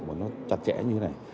và nó chặt chẽ như thế này